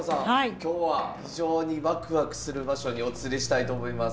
今日は非常にワクワクする場所にお連れしたいと思います。